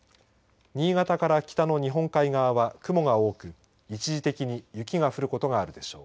新潟から北の日本海側は雲が多く一時的に雪が降ることがあるでしょう。